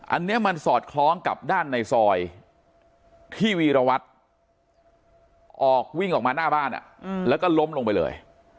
อันนี้มันสอดคล้องกับด้านในซอยที่วีรวัตรออกวิ่งออกมาหน้าบ้านแล้วก็ล้มลงไปเลย